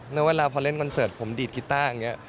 แล้วเวลาพอเล่นคอนเสิร์ตผมดีดกีต้าอย่างนี้